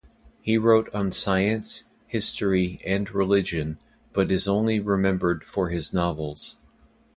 He wrote on science, history and religion, but is only remembered for his novels.